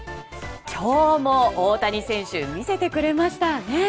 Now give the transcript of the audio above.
今日も大谷選手見せてくれましたね。